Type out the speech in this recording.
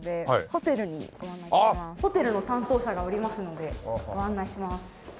ホテルの担当者がおりますのでご案内します。